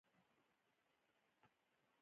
د هغوي اوبلن محلولونه د هایدروجن د آیون لرونکي دي.